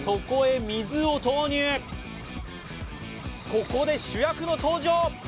ここで主役の登場。